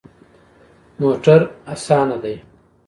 موټر اسانه ده